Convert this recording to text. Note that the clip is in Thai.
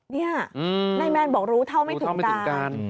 นี่นายแมนบอกรู้เท่าไม่ถึงการ